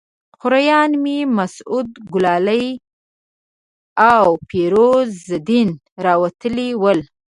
خوریان مې مسعود ګلالي او فیروز الدین راوتلي ول.